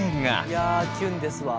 いやキュンですわ。